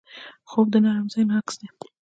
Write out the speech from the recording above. خوب د نرم ذهن عکس دی